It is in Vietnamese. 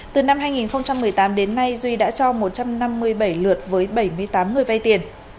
từ năm hai nghìn một mươi tám đến nay duy đã cho một trăm năm mươi bảy lượt với bảy mươi tám người vay tiền